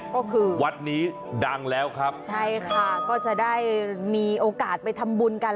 ก็คือวัดนี้ดังแล้วครับใช่ค่ะก็จะได้มีโอกาสไปทำบุญกัน